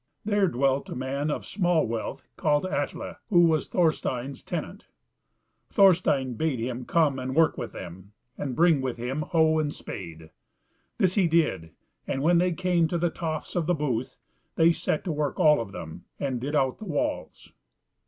There dwelt a man of small wealth called Atli, who was Thorstein's tenant Thorstein bade him come and work with them, and bring with him hoe and spade. This he did, and when they came to the tofts of the booth, they set to work all of them, and did out the walls.